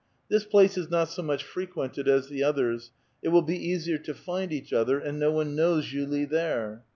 This place is not so much frequented as the others ; it will be easier to find each other, and no one knows Julio there.